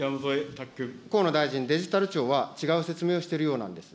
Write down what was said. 河野大臣、デジタル庁は違う説明をしているようなんです。